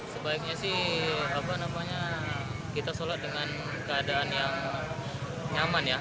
sebaiknya sih kita sholat dengan keadaan yang nyaman ya